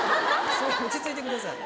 落ち着いてください。